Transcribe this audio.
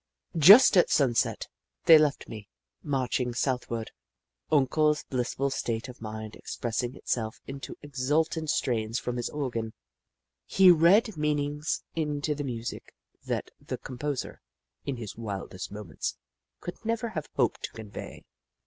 Just at sunset, they left me, marching south ward. Uncle's blissful state of mind expressing itself in exultant strains from his organ. He read meanings into the music that the com poser, in his wildest moments, could never have hoped to convey.